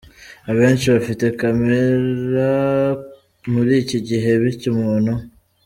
Abenshi bafite kamera muri iki gihe bityo umuntu.